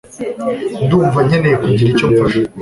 Ndumva nkeneye kugira icyo mfasha